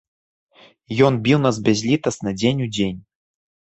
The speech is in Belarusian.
Ён біў нас бязлітасна дзень у дзень.